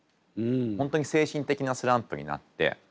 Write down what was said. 本当に精神的なスランプになって。